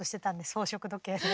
「宝飾時計」で。